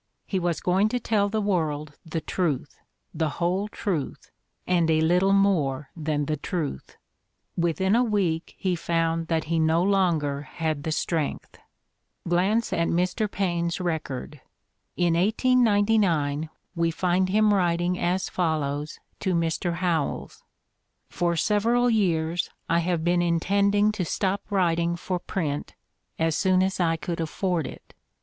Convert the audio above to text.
He was going to tell the world the truth, the whole truth, and a little more than the truth! "Within a week he found that he no longer had the strength. Glance at Mr. Paine 's record. In 1899, we find him writing as follows to Mr. Howells: "For several years I have been intending to stop writing for print as soon as I could afford it.